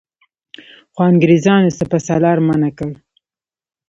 خو انګرېزانو سپه سالار منع کړ.